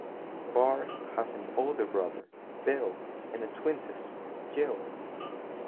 Barth has an older brother, Bill, and a twin sister, Jill.